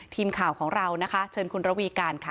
ทีมข่าวของเรานะคะเชิญคุณระวีการค่ะ